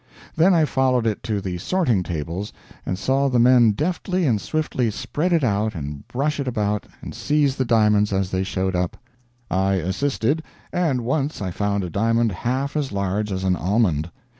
Then I followed it to the sorting tables and saw the men deftly and swiftly spread it out and brush it about and seize the diamonds as they showed up. I assisted, and once I found a diamond half as large as an almond.